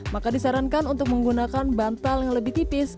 maka disarankan untuk menggunakan bantal yang lebih tipis